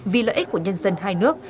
vì lợi ích của nhân dân hai nước